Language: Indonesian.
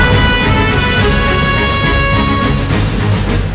kau tak dapat menangani saya